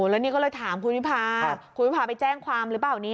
แล้วนี่ก็เลยถามคุณวิพาคุณวิพาไปแจ้งความหรือเปล่านี้